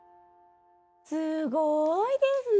すごいですね！